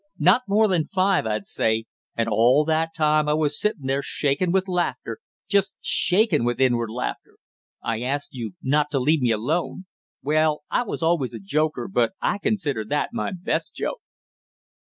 Not more than five, I'd say, and all that time I was sitting there shaking with laughter just shaking with inward laughter; I asked you not to leave me alone! Well, I always was a joker but I consider that my best joke!"